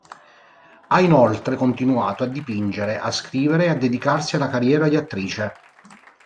Ha inoltre continuato a dipingere, a scrivere e a dedicarsi alla carriera di attrice.